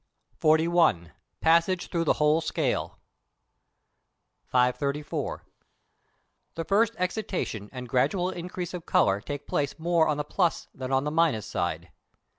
XLI. PASSAGE THROUGH THE WHOLE SCALE. 534. The first excitation and gradual increase of colour take place more on the plus than on the minus side.